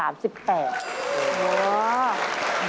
เมื่อปี๒๑๓๘